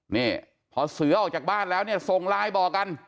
นี่พอเสือออกจากบ้านแล้วเนี่ยส่งไลน์บอกกัน